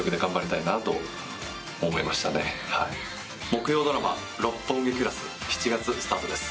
木曜ドラマ「六本木クラス」７月スタートです。